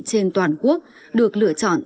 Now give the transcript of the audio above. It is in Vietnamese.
trên toàn quốc được lựa chọn